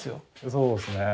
そうですね。